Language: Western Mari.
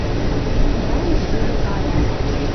Ямеш веле Каля